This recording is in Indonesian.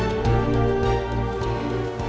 terima kasih banyak om